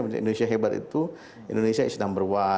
menurut indonesia hebat itu indonesia is number one